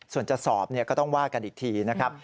ส่วนจะสอบก็ต้องว่ากันอีกทีนะครับ